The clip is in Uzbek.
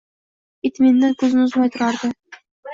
It mendan ko`zini uzmay turardi